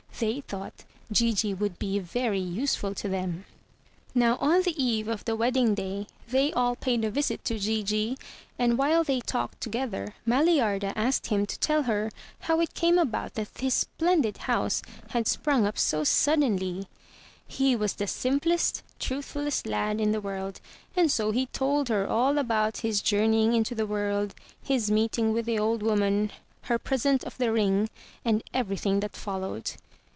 They thought Gigi would be very useful to them. 340 THROUGH FAIRY HALLS Now, on the eve of the wedding day they all paid a visit to Gigi, and while they talked together, Maliarda asked him to tell her how it came about that his splendid house had sprung up 60 suddenly. He was the simplest, truthfuUest lad in the world; and so he told her all about his journeying into the world, his meeting with the old woman, her present of the ring, and everything that followed.